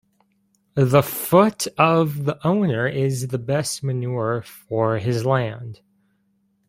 The foot of the owner is the best manure for his land.